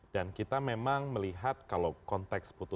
dan kita memang melihat kalau konteks putusan itu